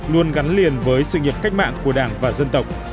luôn gắn liền với sự nghiệp cách mạng của đảng và dân tộc